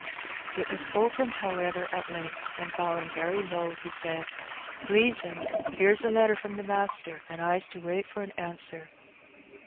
It was opened^ however, at length, and, bowing very low, he said, ''Please, 'm, here's a letter from the master, an* Fs to wait for an answer.